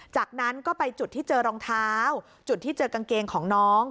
จากนั้นก็ไปจุดที่เจอรองเท้าจุดที่เจอกางเกงของน้อง